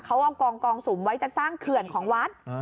เขาเอากองสุมไว้จะสร้างเขื่อนของวัด